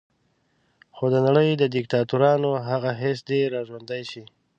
خو د نړۍ د دیکتاتورانو هغه حس دې را ژوندی شي.